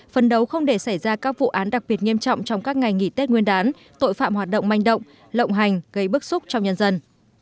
phân đấu không để xảy ra các vụ án đặc biệt nghiêm trọng trong các ngày nghỉ tết nguyên đán tội phạm hoạt động manh động lộng hành gây bức xúc trong nhân dân